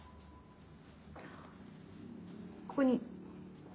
ここに。